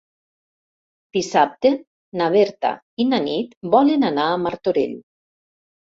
Dissabte na Berta i na Nit volen anar a Martorell.